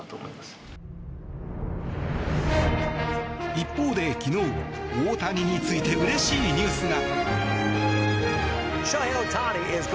一方で昨日、大谷についてうれしいニュースが。